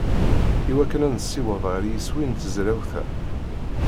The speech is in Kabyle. I wakken ad nessiweḍ ɣer yiswi n tezrawt-a.